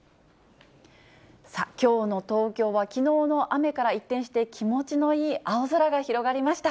きょうの東京はきのうの雨から一転して気持ちのいい青空が広がりました。